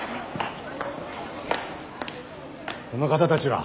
この方たちは？